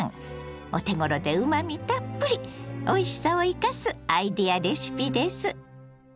お手ごろでうまみたっぷりおいしさを生かすアイデアレシピです。